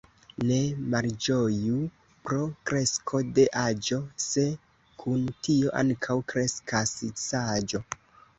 Ne malĝoju pro kresko de aĝo, se kun tio ankaŭ kreskas saĝo.